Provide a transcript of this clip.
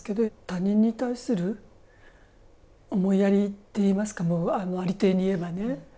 他人に対する思いやりといいますかもうありていに言えばね。